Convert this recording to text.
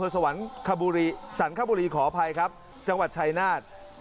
สรรคบุรีขออภัยครับจังหวัดชัยนาธกรรม